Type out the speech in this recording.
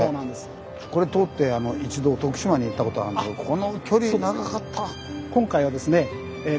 これ通って一度徳島に行ったことあるんですけどこの距離長かった！